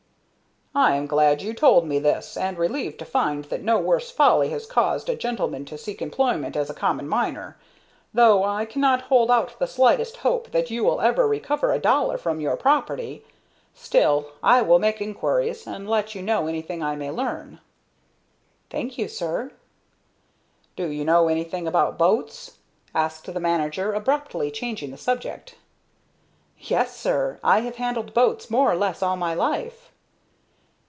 "I am glad you have told me this, and relieved to find that no worse folly has caused a gentleman to seek employment as a common miner, though I cannot hold out the slightest hope that you will ever recover a dollar from your property. Still, I will make inquiries, and let you know anything I may learn." "Thank you, sir." "Do you know anything about boats?" asked the manager, abruptly changing the subject. "Yes, sir; I have handled boats more or less all my life."